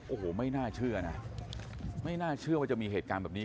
โอ้โหไม่น่าเชื่อนะไม่น่าเชื่อว่าจะมีเหตุการณ์แบบนี้